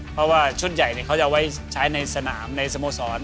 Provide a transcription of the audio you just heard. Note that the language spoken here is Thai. เพราะว่าชุดใหญ่เขาจะเอาไว้ใช้ในสนามในสโมสร